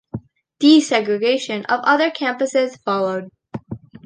Desegregation of other campuses followed.